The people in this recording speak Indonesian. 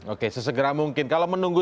oke sesegera mungkin kalau menunggu